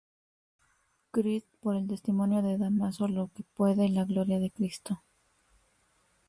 Creed, por el testimonio de Dámaso, lo que puede la gloria de Cristo.